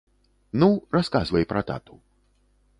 Ну, расказвай пра тату.